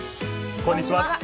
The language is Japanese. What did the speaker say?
こんにちは。